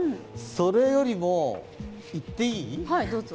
それよりも、言っていい？